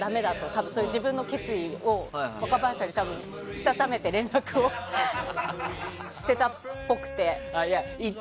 多分そういう自分の決意を若林さんにしたためて連絡をしていたっぽくて。